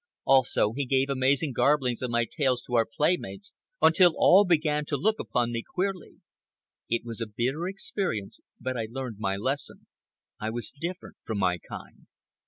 Also, he gave amazing garblings of my tales to our playmates, until all began to look upon me queerly. It was a bitter experience, but I learned my lesson. I was different from my kind.